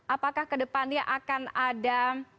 apakah kedepannya akan ada